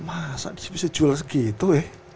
masa bisa jual segitu ya